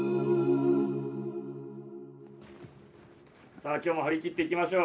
さあ今日も張り切っていきましょう。